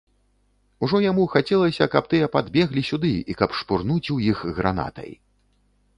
Ужо яму хацелася, каб тыя падбеглі сюды і каб шпурнуць у іх гранатай.